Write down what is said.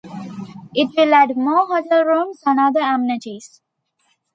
It will add more hotel rooms, and other amenities.